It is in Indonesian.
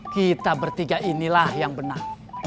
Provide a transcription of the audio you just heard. kita bertiga inilah yang benar